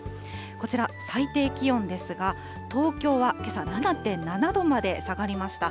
こちら、最低気温ですが、東京はけさ７．７度まで下がりました。